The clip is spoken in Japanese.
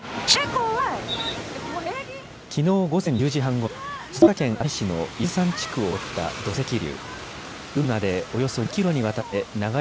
きのう午前１０時半ごろ、静岡県熱海市の伊豆山地区を襲った土石流。